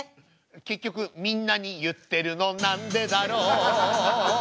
結局みんなに言ってるのなんでだろう